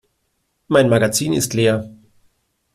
Mein Magazin ist leer.